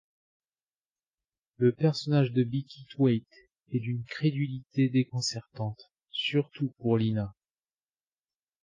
Le personnage de Beaky Twaitte est d’une crédulité déconcertante, surtout pour Lina.